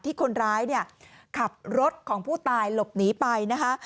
คนร้ายเนี่ยขับรถของผู้ตายหลบหนีไปนะคะ